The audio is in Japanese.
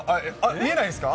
見えないですか？